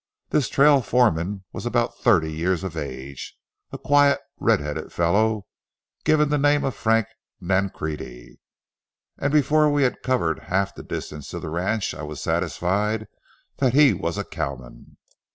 This trail foreman was about thirty years of age, a quiet red headed fellow, giving the name of Frank Nancrede, and before we had covered half the distance to the ranch I was satisfied that he was a cowman.